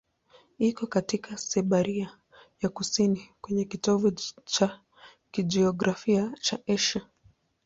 Iko katika Siberia ya kusini, kwenye kitovu cha kijiografia cha Asia.